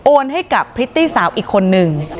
ให้กับพริตตี้สาวอีกคนนึง